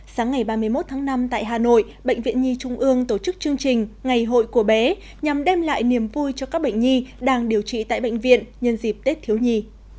sáng ngày ba mươi một tháng năm tại hà nội bệnh viện nhi trung ương tổ chức chương trình ngày hội của bé nhằm đem lại niềm vui cho các bệnh nhi đang điều trị tại bệnh viện nhân dịp tết thiếu nhi